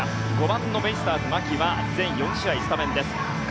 ５番のベイスターズ牧は全４試合スタメンです。